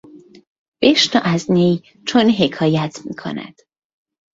بشنو از نی چون حکایت میکند